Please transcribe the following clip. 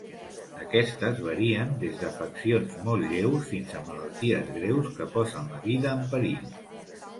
Aquestes varien des d'afeccions molt lleus fins a malalties greus que posen la vida en perill.